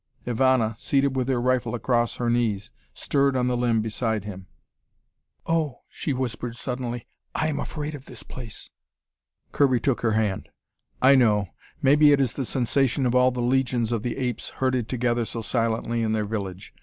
Ivana, seated with her rifle across her knees, stirred on the limb beside him. "Oh," she whispered suddenly, "I am afraid of this place!" Kirby took her hand. "I know. Maybe it is the sensation of all the legions of the apes herded together so silently in their village.